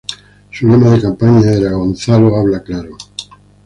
Su lema de campaña era "Gonzalo habla claro".